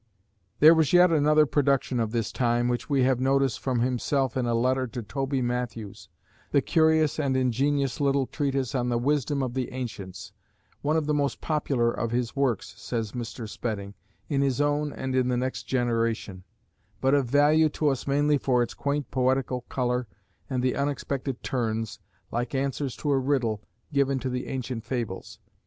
There was yet another production of this time, of which we have a notice from himself in a letter to Toby Matthews, the curious and ingenious little treatise on the Wisdom of the Ancients, "one of the most popular of his works," says Mr. Spedding, "in his own and in the next generation," but of value to us mainly for its quaint poetical colour, and the unexpected turns, like answers to a riddle, given to the ancient fables.